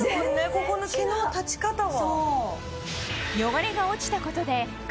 ここの毛の立ち方も。